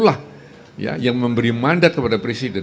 lembaga tertinggi negara itulah yang memberi mandat kepada presiden